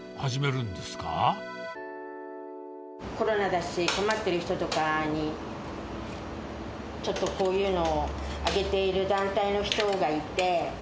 コロナだし、困ってる人とかに、ちょっとこういうのをあげている団体の人がいて。